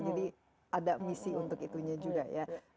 jadi ada visi untuk itunya juga ya